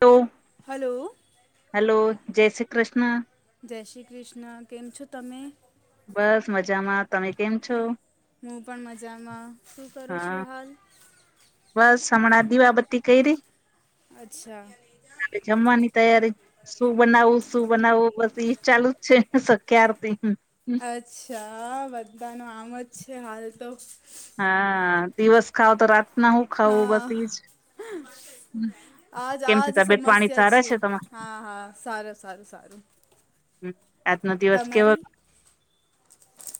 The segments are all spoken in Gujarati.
હલો હલો હલો જય શ્રી કૃષ્ણ જય શ્રી કૃષ્ણ કેમ છો તમે બસ મજામાં તમે કેમ છો હું પણ મજામાં શું કરું હા છું હાલ બસ હમણાં દિવાબત્તી કઈ રી અચ્છા હલે જમવાની તૈયારી શું બનાવું શું બનાવવું બસ એ ચાલુ જ છે ને કતી હમ અચ્છા બધાનું આમ જ છે હાલ તો હા દિવસ ખાાવ તો રાતના હું ખાવું હા બસ જ આજ આજ સમસ્યા છે હા હા સારું સારું સારું હમ આજનો દિવસ કેવ તમારી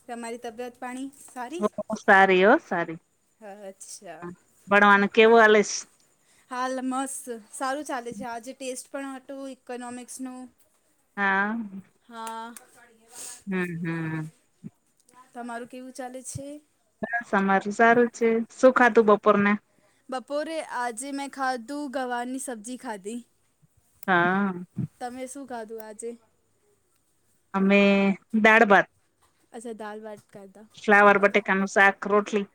તમારી તબિયત પાણી સારી સારી હો સારી અચ્છા ભણવાનું કેવું હલેશ હાલ મસ્ત સારું ચાલે છે આજે ટેસ્ટ પણ હતું ઇકોનોમિક્સનું હા હા હમ હમ તમારું કેવું ચાલે છે બસ અમારું સારું છે શું ખાતું બપોર ને બપોરે આજે મેં ખાધું ગંવાની સબ્જી ખાધી હા તમે શું ખાધું આજે અમે દાડભાત અસ દાલ બાટ ફ્લાવર બટેાકાનું સાક રોટલી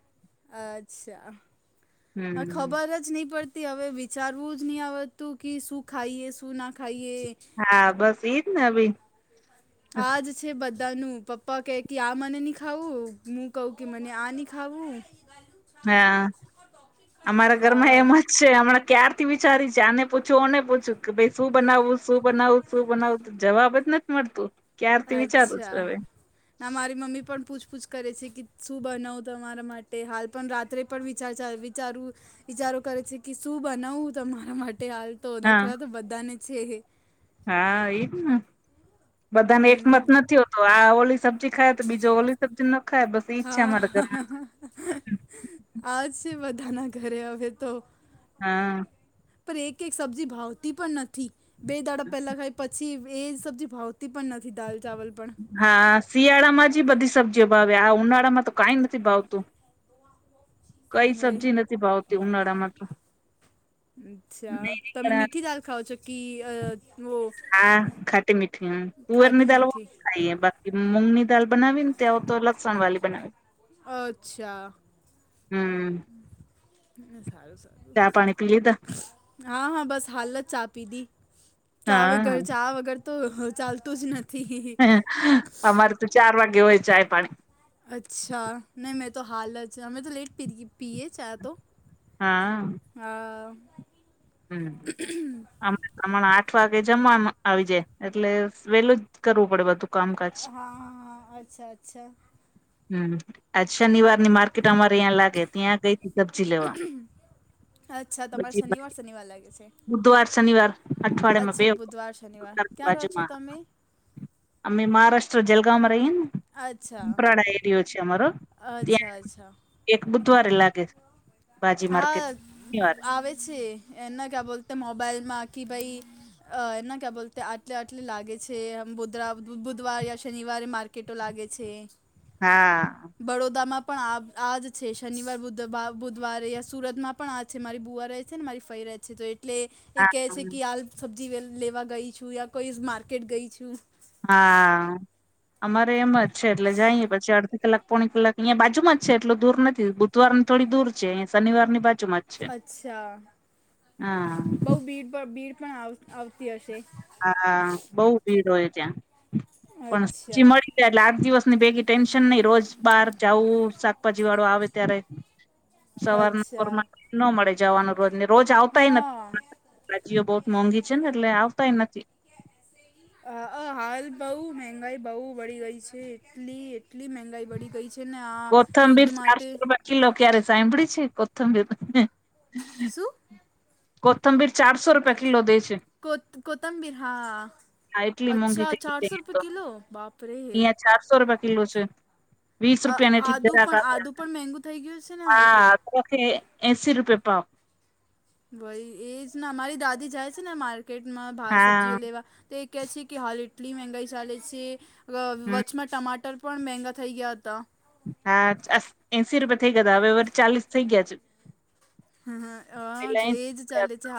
અચ્છા હા હમ. ખબર જ ન પડ હવે વિચારવું જ નહી આવતું કે શું ખાઈએ શું નાખ હા બસ ઈજ ને ભી આજ છે બધાનું પપ્પા કહે કે આ મને નહીં ખાવું હું કહું કે મને આ નહી ખાવું સ ગ હા અમારા ઘરમાં હા એમ જ છે હમણાં ક્યારથી વિચારી છેને પૂછું ઓને પૂછું કે ભ શું બનાવવું શું બનાવવું શું બનાવવું જવાબ જ નથી મળતું ક્યારથી વિચારું અચ્છા છું હવે ના મારી મમ્મી પણ પૂછપૂછ કરે છે કે શું બનાવું તમારા માટે હાલ પણ રાત્રે પણ વિચાર ચાલવી ચારું વિચારો કરે છે કે શું બનાવું તમારા માટે હાલ તો હા નખરા તો બધાને છે હ હા એજ ને બધાને એકમત હમ નથી હોતો. તો આ ઓલી સબ્જી ખાય તો બીજો ઓલી સબજ ના ખા બસ એજ છે હા અમારા ઘરમાં હા આજ છે બધાના ઘરે હવે તો હા પર એક એક શબ્જી ભાવતી પણ નથી. બે દાડા પેલા ખાય પછી એ સબ્જી ભાવતી પણ નથી દાલ ચાવલ પણ હા શિયાળામાં જ બધી સબ્જીઓ ભાવે આ ઉનાળામાં તો કઈ નથી ભાવતું હી કઈ સબ્જી નથી ભાવતી ઉનાળા માં તો અચ્છા તમે મીઠી દાલ ખાાવ છો કે અ હા ખાટી મીઠી ખાટી તુવેરની દાળ મીઠી ખાઈએ બાકી મૂગની દાલ બનાવી ને ત્યાઓ તો લસણ વાળી બનાવી અચ્છા હમ સારું ચા પાણી પી લીધા હા હા બસ હાલત ચા પીધી ચા હા વર ચા વગર તો ચાલતું જ નથી. અમારે તો ચાર વાગે હોય ચાય પાણી અચ્છા નહીં મેં તો હાલત મેમેં તો લેટ પી પીએ ચા તો હા હ હમ હમણા આઠ વાગે જમવામા આવી જાય એટલે વેલું જ કરવું પડે બધું કામકાજ હા હા અચ્છા અચ્છા હમ આજ શનવારની માર્ક તમારે અહીંયા લાગે ત્યાં ગઈ સબ્જી લેવા પછી. સનીવા લાગ છે. બુધવાર શનિવાર અઠવાડિયા માં બે અચ્છા બુધવાર શનિવાર વખત ક્યાં રહો છો બાજુમાં તમે અમે મહારાષ્ટ્ર જલગામંમાં રહીએ ને અચ્છા કપરાડા એરયો છે અમારો ત્યાં અચ્છા અચ્છા એક બુધવારે લાગે ભાજી માર્કેટ હા શનિવારે આવે છે એના ક્યા બોલતા મોબાઈલમાં કે ભાઈ. અ એના ક્યા બોલ આટલે આટલે લાગે છે બુધવાર યા શનિવારે માર્કેટ કેટો લાગે છે. હા બડોદામાં પણ આજ છે શનિવાર બુધ. ધવારે સુરતમાં પણ આ છે મારી બુવા રહે છે ને મારી ફઈ રહે છે તો એટલે એ કેહે હા છે કે હાલ સબ્જી લેવા ગઈ છું યા કોઈ માર્કેટ ગઈ છું. હા અમારે એમ જ છે એટલે જઈએ પછી અડધી કલાક પોણી કલાક અહીિયાયા બાજુ માં છે એટું દૂર નથી બુધવારની થોડી દૂર છે શનિવાની બાજુ માં છે. અચ્છા હા બઉ ભીડ ભીડ પણ આવતી હશે. હા બઉુ ભીડ હોય ત્યાં પણ અચ્છા સચી મળી એટલે આઠ દિવસ ની ભેગી ટેન્શન નહી રોજ બાર જવું શાકભાજી વાળું આવે ત્યારે કે સવાર નર ન મળે જવાનું રોજને રોજ આવતાય નથી હા ભાજીઓ બહોત મોંઘી છે ને એટલે આવતાય નથી. હાલ બઉ મેહગાઈ બહ વળી ગઈ છે. એટલી એટલી મહેંગાઈ વળી. ગઈ છેને, આ કોથંબીર યુદ્ધ ચારસો માટે રૂપિયા કિલો ક્યારે સાંભળી છે, કોથમબી શું કોથમબીર ચારસો રૂપિયા કલો દઈ છે. કો કોતંબીર હા હા એટલી મોંઘી અચ્છા થ ચારસો ગ રૂપિયા તો, કિલો બાપરે અહં ચારસો રૂપિયા કિલો છે. વીસ રૂપિયાને એટલી આદુ ગ્રાક પણ આપ આદુ પણ મહેંગું થઈ ગયું છે ને હાલ તો હા એસી રૂપિયા પાાવ. ભાઈ એજ ને અમારી દાદી જાય છે ને માર્કેટમાં હા સબ્જીઓ લેવા. તે કહે છે કે હાલ એઇટલી મંગાઈ ચાલે છે હમ વચમાં ટમાટર પણ મેગા થઈ ગયા હતા. હા એસી રૂપિયા થઈ, ગયા હવે એ માથી ચાલીસ થઇ ગયા છે. હ પેલા એસી એજ રૂપિયા ચાલે છે, હતા.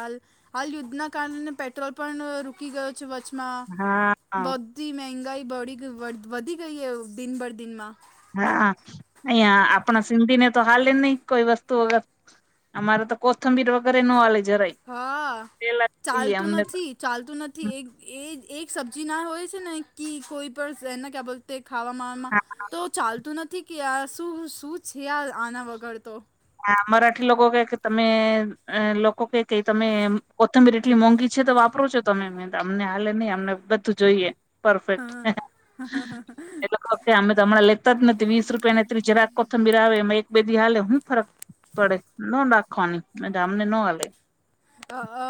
હાલ યુદ્ધના કારણે પેટ્રોલ પણ રૂકી ગયો. વચમાં હા બોવ એ મંગાઈ બી વધી ગઈ એ દિનભર દિનમાં. હા અહિયાં આપણા સિંધી ને તો હાલે જ નહી કોઈ વસ્તુ વગર. અમારે તો કોથમીર વગર પણ નો હાલે જરાય હા, પેલા જોઈએ ચાલતું અમને તો નથી. ચાલતું નથી એક એ એક સબ્જી ના હોય છે. ને કે કોઈ પણ એને ક્યાં બોલતે ખાવામાં હા તો ચાલતું નથી કે આ શું શું છે. આના વગર તો હ મરાઠી લોકો કે કે તમે એ લોકો કેઇકે તમે કોથમીર આટલી મોંઘી છે. તોપ વાપરો છો તમે અમને હાલે નહી અમને તો બધું જોઈએ. પર્ફેક્ટ ઓકે અમે હમણાં લેતા જ નથી વીસ રૂપિયા ને જરાક કોથમીર આવે એમાં એક બે દિવસ હાલે એમાં હું ફરક પડે ન નાખવાની અમને ન હાલે. અ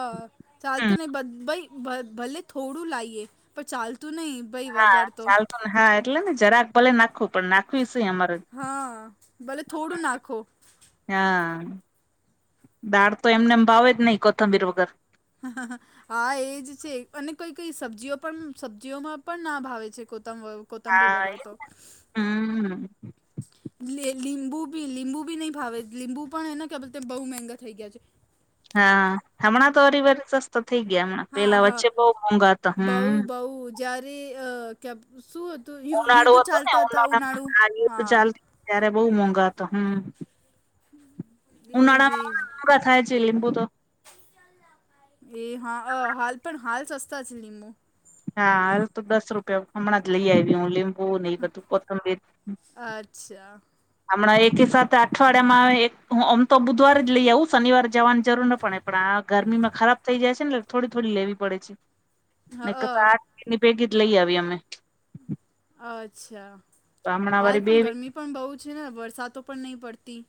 ચાલતુ હમ નહી ભાઈ ભલે થોડું લાઈએ. પણ ચાલતું નહી ભાઈ હા વગર તો ચાલતું હા એટલે ને જરાક ભલે નાખવું પણ નાખવી છે. એમાં હા ભલે થોડું નાખો. હા દાળ તો એમનેમ ભાવે જ, નહી કોથમબીર વગર. હ હ હા હા એજ છે અને કોઈ, કઈ સબ્જીઓ પણ સબ્જીઓમાં પણ ના ભાવે છે કોથમબીર હા એ હમ. લીંબુ લીંબુ ભી નહી ભાવે લીંબુ પણ એને કે બહુ મહેગા થઈ ગયા છે. હા હમણાં તો હરિવાર સસ્તા થઇ ગયા હમણાં હા પેલા હા વચ્ચે બહ મોઘા હતા હમ જયારે અ, શું હતું ઉનાળો યુદ્ધ હતો ને ચાલતા હતા ઉનાળુ ઉનાળામાં આ યુદ્ધ હા ચાલતી ત્યારે બઉ મોંઘા હતો હમ એ જ ઉનાળામાં મોંઘા થાય છે લીંબુ તો એ હા પણ હાલ સસ્તા છે. લીંબુ હા હાલ તો દસ રૂપિયા હમણાં જ લઈ આવી હું લીંબુ ને બધું કોથમબીર. અચ્છા હમણાં એક સાથે, અઠવાડિયામાં એક તો બુધવારે જ લઈ આવવું શનિવારે જવાની જરૂર ન, પડે પણ આ ગરમીમાં ખરાબ થઇ જાય છે ને થોડી થોડી લેવી પડે છે હ નહીતર અ તો આઠ દિવસ ની ભેગી જ, લઈ આવી અમે અચ્છા તો હમણાં વરી હાલ બે પણ ગરમી પણ બહુ છે, ને વરસાદ પણ નહીં પડતી.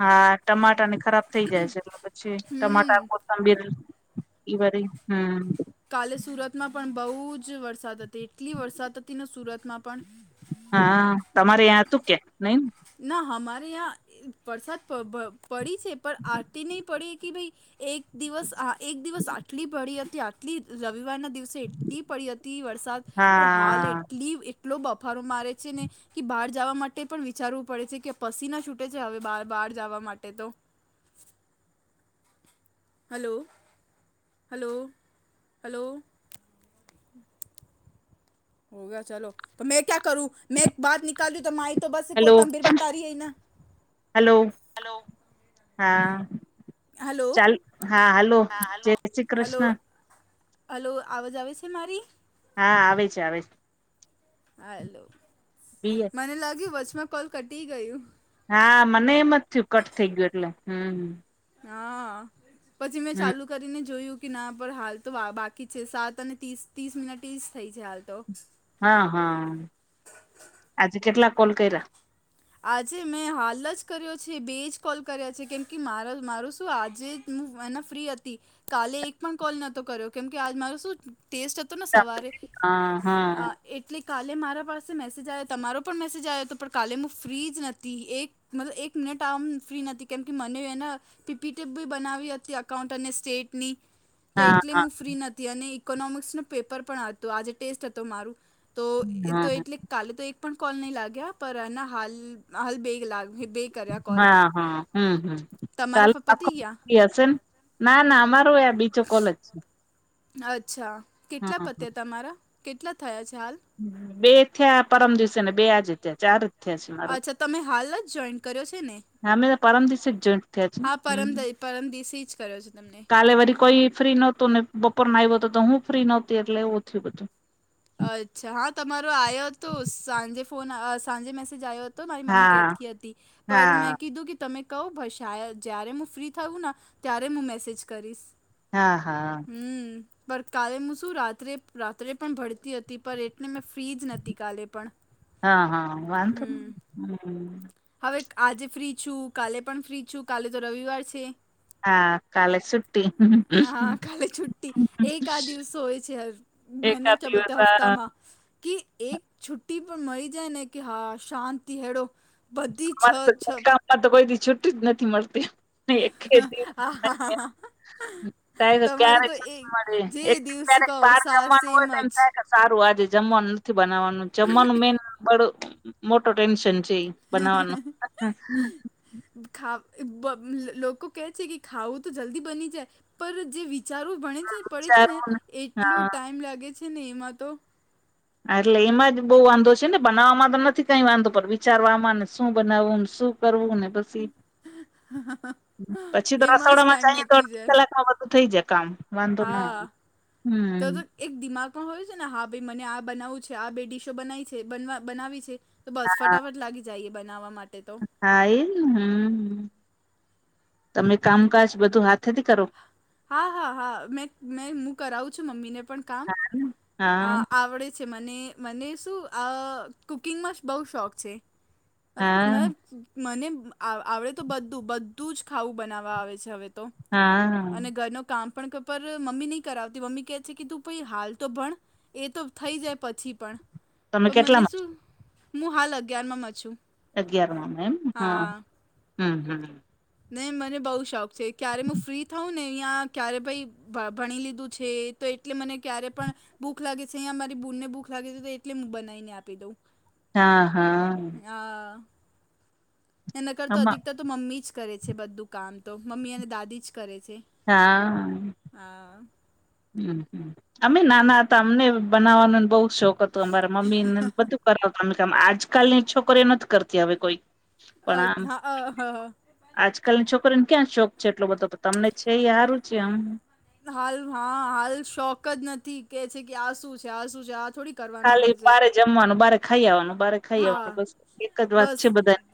હા ટમાટા ને ખરાબ થઈ જાય છે. એટલે પછી હમ ટમાટા એ બરી, હમ કાલે સુરતમાં પણ બહુ જ વરસાદ હતી એટલી વરસાદ હતી, ને સુરતમાં પણ હા, તમારે ત્યાં હતું કે નઈ ને ના હમારે વરસાદ પડી છે. પર આટલી નહી પડી કે ભાઈ એક દિવસ આ, એક દિવસ આટલી પડી હતી આ એટલી રવિવારના દિવસે એટલી પડી હતી વરસાદ પણ હાલ હા એટલી એટલી કેટલો બફારો મારે છે ને કે એ બહાર જવા માટે પણ વિચારવું પડે છે કે પસીના છૂટે છે હવે બહાર જવા માટે તો હલો હલો, હલો હમ હો ગયા ચાલો, તો મેં ક્યા કરું મેં એક બાત નિકાલ દુ તો માઇક તો બસ હેલો કોથમબીર બતા રહી એ ના, હેલો હલો હા, ચાલ હા, હાલો જય શ્રી કૃષ્ણ હલો, આવાજ આવે છે મારી હા, આવે છે, આવે છે હલો બી એ મને લાગ્યું વચમાં કોલ કટી ગયું હા, મને એમ જ થયું કટ થઇ ગયું એટલે, હમ હા, પછી મેં હમ ચાલુ કરીને જોયું કે ના પર હાલ તો બાકી છે સાત અને તીસ, ત્રીસ મિનિટ ઈસ થઈ છે હાલ તો હા, હા, આજે કેટલા કોલ કર્યા આજે મેં હાલ જ કર્યો છે બે જ કોલ કર્યા છે કેમ કે મારો મારું શું આજે જ હું એને ફ્રી હતી કાલે એક પણ કોલ નહોતો કર્યો કેમ કે આ મારો શું ટેસ્ટ હતો તોમે સવારે હા હા આ એટલે કાલે મારા પાસે મેસેજ આયો, તમારો પણ મેસેજ આયો તો પણ કાલે હું ફ્રી જ નથી, એક મતલબ એક મિનટ આમ ફ્રી નહોતી કેમ કે મને હે ને પીપીટીપ બી બનાવી હતી અકાઉન્ટ અને સ્ટેટની તો હા એટલે હા હું ફ્રી નથી અને ઇકોનોમિક્સ ન પેપર પણ હતો આજે ટેસ્ટ હતો મારું તો એ તો હા એટલે કાલે તો એક પણ કોલ નહી લાગ્યા પરા ના હાલ, હાલ બેગ લાગ બેગ હા, હા, હમ, હમ, ચાલ તમારા ફ- રાખો પતી ગયા [unintelligible] ના, ના અમારો ય બીજો કોલ છે અચ્છા, કેટલા હા પત્યા તમારા કેટલા થયા છે હાલ બે થયા પરમ દિવસે ને બે આજે ત્યા ચાર થયા છે અચ્છા, મારા તમે હાલ જ જોઈન કર્યો છે ને અમે તો પરમ દિવસે જ જોઈન્ટ થયા છે હા હમ પરમદ પરમદિસી જ કર્યો છે તમને કાલે વરી કોઈ ફ્રી નહોતું ને બપોરને આવ્યો તો તો હું ફ્રી નહોતી એટલે એવું થયું બધું અચ્છા, હા તમારો આયો તો, સાંજે ફોન સાંજે મેસેજ આયો તો મારી મમ્મી હા કેતી હતી પણ મેં હા કીધું કે તમે કહો ભાઈ શ જ્યારે હું ફ્રી થયું ને ત્યારે હું મેસેજ કરીશ હા, હા હમ પણ કાલે હું શું રાત્રે રાત્રે પણ ભરતી તી હતી પણ એટલે મેં ફ્રી જ નતી કાલે પણ હા, હા, વાહ હમ હવે આજે ફ્રી છું, કાલે પણ ફ્રી છું, કાલે તો રવિવાર છે હા કાલે છુટ્ટી હા, કાલે છુ્ટી, એક આ દિવસો હોય છે ભહેના એકાદ ક દિવસ બોલતા અમારે હપતામાં કે એક છુટ્ટી પણ મળી જાય ને કે હા શાંતિ હેળો અરે તોકામમાં તો કોઈ છુટી જ નથી મળતી એક હા, હા, હા, હ થ કે ક્યારે મળે, જે એક દિવસ ક્યારેક કહો બાર સા જમવાનું સેમ હોય તો એમ થાય કે જ સારું આજે જમવાનું બનાવાનુ, જમવાનું મેન બડો, મોટો ટેન્શન છે એ બનાવવાનું ખ લોકો કહે છે કે ખાવું તો જલ્દી બની જાય પણ જે વિચારો ભણે છે પડે છે ને વિચારવું એટલો હા ટાઈમ લાગે છે ને એમાં તો. હા એટલે એમાં જ બહુ વાંધો છે ને બનાવવામાં તો નથી કઈ વાંધો પણ વિચારવામાં ને શું બનાવવું ને શું કરવું ને પછી પછી તો એમાં જ રસોડામાં ચ ટાઈમ તો નીકળી અડધી જાય કલાકમાં થઈ જાય કામ. વાંધો ના હા આવે ત હમ તો એક દિમાગમાં હોયું છે ને હા ભાઈ મને આ બનાવું છે આ બે ડડીશો બનાવી છે બનાવી છે. તો બસ હા ફટાફટ લાગી જઈએ બનાવવા માટે તો હા એ ને હમ તમે કામકાજ બધું હાથેથી કરો. હા હા હા મે હું કરાવું છું મમ્મી ને પણ કામ હમ અ આવડે છે મને મને શું કુકિંગમાં બહુ શોખ છે હા મબ મને આવડે તો બધું બધું જ ખાવું બનાવવા આવે છે હવે તો હા અને ઘર ન કામ પણર મમ્મી નહી કરાવતી મમ્મી કેહે છે કે તું પ હાલ તો ભણ એ તો થઈ જાય પછી પણ તમે પણ મને કેટલામાં છો શું હું હાલ અગિયારમાં છું અગિયારમાં મે એમ હા હમ હમ નહી મને બહુ શોખ છે ક્યારે હું ફ્રી થઉં ને અહીંયા ક્યારે ભાઈ ભણી લીધું છે તો એટલે મને ક્યારે પણ ભૂખ લાગે છે અહીં મારી ભૂનને ભૂખ લાગે છે એટલે હું બનાવીને આપી દઉં હા હા હ એ ન કર તો આમાં અધિકતાર તો મમ્મી જ કરે છે બધું કામ તો મમ્મી અને દાદી જ કરે છે હા હા હમ અમે નાના હતા અમને બનાવવાનુંને બહ શોખ હતું અમારા મમ્મી બધું કરવા કામ આજકાલ ની છોકરી નથી કરતી હ કોઈ પણ આમ અ્છા હ હા આજકાલની છોકરીને ક્યાં શોખ છે એટલો બધો તમને છેયારું છે આમ હાલ હા હાલ શોખ જ નથી કે છે કે આ શું છે આ શું છે આ થોડી કરવાનું ખાલી હોય છે બારે જમવાનું બારે ખાઈ આવવાનું બારે ખાઈ આવવાનું હા બસ એક જ વાત બસ છે બધાની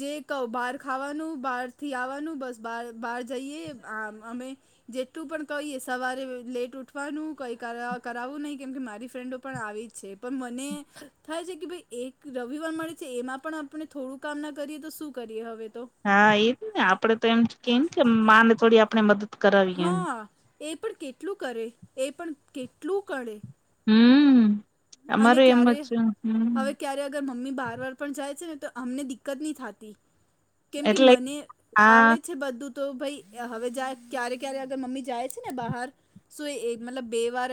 જે કહું બહાર ખાવાનું બહારથી આવવાનું બસ બહાર બહાર જઈએ આ અમે જેટલું પણ કહીએ સવારે લેટ ઉઠવાનું કઈ કરાવવું નહીિ કેમકે મારી ફ્રેન્ડો પણ આવી જ છે પ મને થાય છે કે ભાઈ એક રવિવાર મળે છે એમાં પણ આપણે થોડું કામ ના કરીએ તો શું કરીએ હવે તો હા એ જ ને આપડે તો એમ કેમ કે માને થોડી આપણે મદદ કરાવીએ એમ હા એ પણ કેટલું કરે એ પણ કેટલું કે હમ અમારું એમ જ હમ અર મમ્મી બાર વાર પણ જાય છે ને તો અમને દિક્કત નહી થતી કેમ કે એટલે મને આ આવડે છે બધું તો ભાઈ હવે જાય ક્યારે ક્યારેગર મમ્મી જાય છે ને બહાર સ એ મતલબ બે વાર